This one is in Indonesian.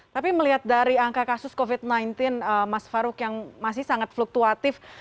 tapi melihat dari angka kasus covid sembilan belas mas farouk yang masih sangat fluktuatif